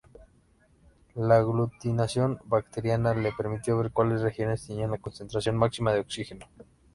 La aglutinación bacteriana le permitió ver cuáles regiones tenían la concentración máxima de oxígeno.